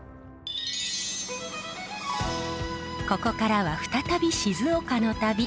ここからは再び静岡の旅。